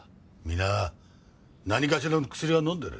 皆何かしらの薬を飲んでる。